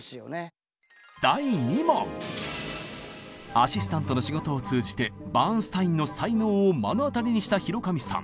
アシスタントの仕事を通じてバーンスタインの才能を目の当たりにした広上さん。